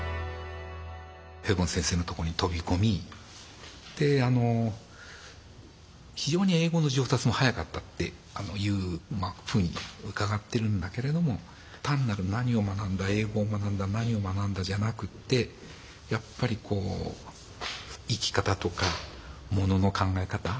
ヘボン先生のとこに飛び込み非常に英語の上達も早かったっていうふうに伺ってるんだけれども単なる何を学んだ英語を学んだ何を学んだじゃなくてやっぱり生き方とかものの考え方。